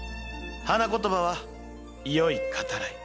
花言葉は「よい語らい」。